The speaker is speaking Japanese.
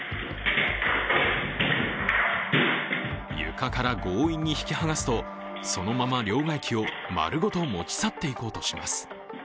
床から強引に引き剥がすと、そのまま両替機を丸ごと持ち去っていこうとします。